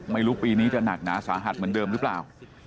ไม่รู้ปีนี้จะหนักหนาสาหัสเหมือนเดิมหรือเปล่า